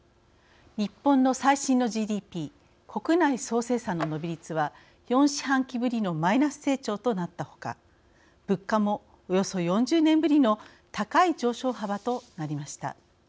日本の最新のＧＤＰ国内総生産の伸び率は４四半期ぶりのマイナス成長となったほか物価もおよそ４０年ぶりの高い上昇幅となりました。